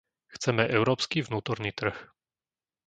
Chceme európsky vnútorný trh.